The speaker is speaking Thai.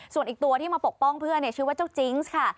ส่วนอีกตัวที่มาปกป้องเพื่อนชื่อว่าเจ้าจิ๊งส์ค่ะ